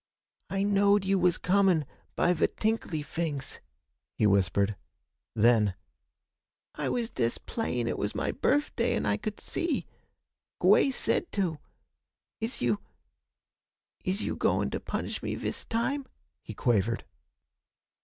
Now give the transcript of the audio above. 'I knowed you was comin' by ve tinkly fings,' he whispered. Then 'I was dest playin' it was my birfday an' I could see. Gwey said to. Is you is you goin' to punish me vis time?' he quavered.